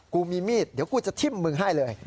กูมีมีดเดี๋ยวกูจะทิ้มมึงให้เลย